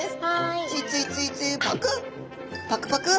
ついついついパクッパクパクッ！